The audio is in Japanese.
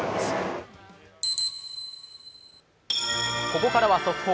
ここからは速報。